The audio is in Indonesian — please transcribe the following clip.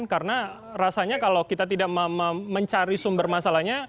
karena rasanya kalau kita tidak mencari sumber masalahnya